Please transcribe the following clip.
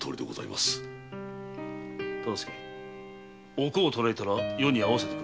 お甲を捕えたら余に会わせてくれぬか。